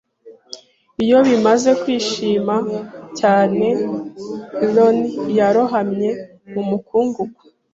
Iyo bimaze kwishima cyane Ilion yarohamye mu mukungugu